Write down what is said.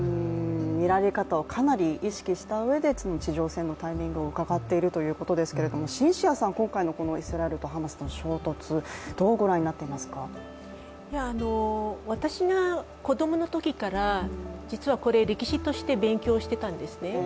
見られ方をかなり意識したうえで地上戦のタイミングをうかがっているということですけれどもシンシアさんは今回のこのイスラエルとハマスの衝突どうご覧になっていますか？私が子どものときから実はこれ歴史として勉強していたんですね。